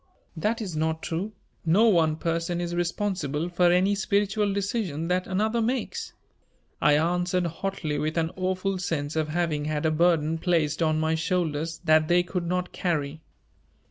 "That is not true; no one person is responsible for any spiritual decision that another makes," I answered hotly with an awful sense of having had a burden placed on my shoulders that they could not carry.